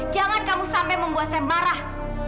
jangan kamu sampai membuat saya marah